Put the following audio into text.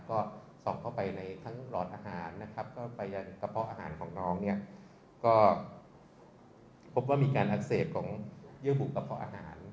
ก็ส่องเข้าไปในทั้งหลอดอาหารนะครับก็ไปยังกระเพาะอาหารของน้องเนี่ยก็พบว่ามีการอักเสบของเยื่อบุกระเพาะอาหาร